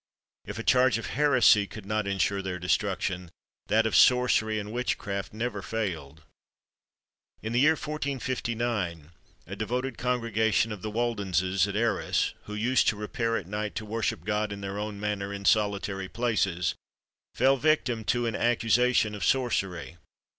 If a charge of heresy could not ensure their destruction, that of sorcery and witchcraft never failed. In the year 1459, a devoted congregation of the Waldenses at Arras, who used to repair at night to worship God in their own manner in solitary places, fell victims to an accusation of sorcery.